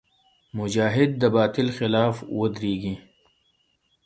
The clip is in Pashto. مجاهد د باطل خلاف ودریږي.